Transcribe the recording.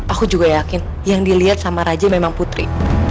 aku juga yakin yang dilihat sama raja memang putri